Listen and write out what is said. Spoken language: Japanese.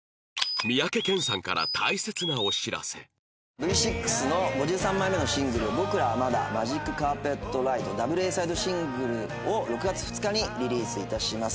「Ｖ６の５３枚目のシングル『僕らはまだ／ＭＡＧＩＣＣＡＲＰＥＴＲＩＤＥ』ダブルＡサイドシングルを６月２日にリリース致します」